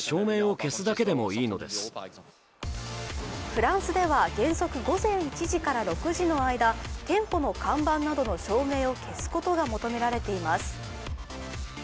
フランスでは、原則午前１時から６時の間店舗の看板などの照明を消すことが求められています。